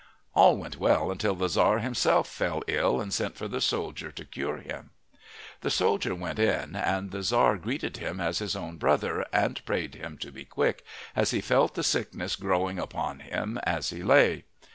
All went well until the Tzar himself fell ill and sent for the soldier to cure him. The soldier went in, and the Tzar greeted him as his own brother, and prayed him to be quick, as he felt the sickness growing upon him as he lay.